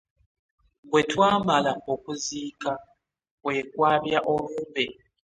Bwe twamala okuziika kwe kwabya olumbe.